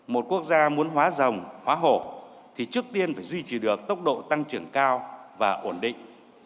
một quốc gia muốn hóa dòng hóa hồ thì trước tiên phải duy trì được tốc độ tăng trưởng cao và ổn định